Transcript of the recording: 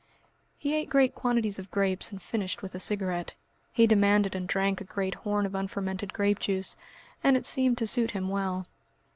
He ate great quantities of grapes and finished with a cigarette. He demanded and drank a great horn of unfermented grape juice, and it seemed to suit him well.